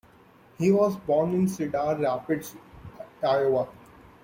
He was born in Cedar Rapids, Iowa.